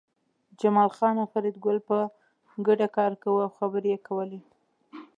جمال خان او فریدګل په ګډه کار کاوه او خبرې یې کولې